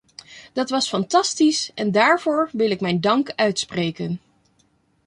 Dat was fantastisch en daarvoor wil ik mijn dank uitspreken.